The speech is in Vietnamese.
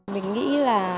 mình nghĩ là